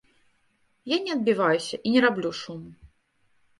Я не адбіваюся і не раблю шуму.